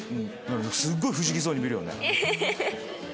すごい不思議そうに見るよね。